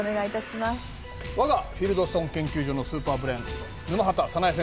わがフィルドストン研究所のスーパーブレーン沼畑早苗先生だ。